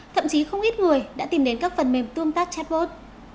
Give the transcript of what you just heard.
thậm chí không ít người đã tìm đến các phần mềm tương tác chatbot